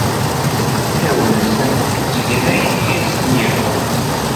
Arraw-nsen ttgen ayen ay asen-yehwan.